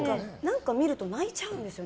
見ると泣いちゃうんですよね